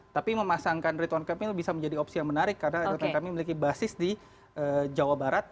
tapi memasangkan ridwan kamil bisa menjadi opsi yang menarik karena ridwan kamil memiliki basis di jawa barat